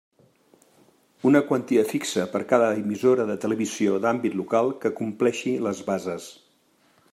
Una quantia fixa per a cada emissora de televisió d'àmbit local que compleixi les bases.